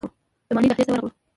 د ماڼۍ دهلیز ته ورغلو.